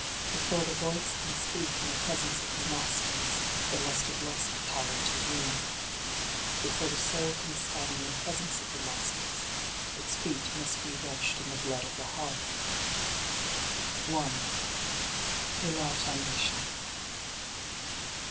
Before the voice can speak in the presence of the Masters it must have lost the power to wound. Before the soul can stand in the presence of the Masters its feet must be washed in the blood of the heart. 1 . Kill out ambition.